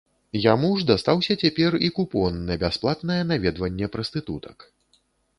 Яму ж дастаўся цяпер і купон на бясплатнае наведванне прастытутак.